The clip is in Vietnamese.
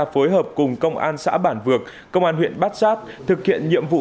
phối hợp cùng công an xã bản vược công an huyện bát sát thực hiện nhiệm vụ